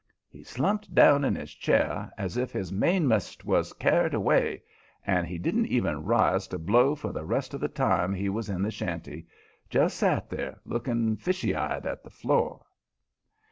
He slumped down in his chair as if his mainmast was carried away, and he didn't even rise to blow for the rest of the time we was in the shanty. Just set there, looking fishy eyed at the floor.